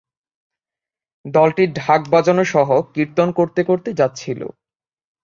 দলটি ঢাক বাজানো সহ কীর্তন করতে করতে যাচ্ছিল।